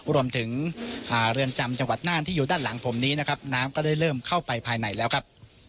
รวมถึงเรือนจำจังหวัดน่านที่อยู่ด้านหลังผมนี้นะครับน้ำก็ได้เริ่มเข้าไปภายในแล้วครับ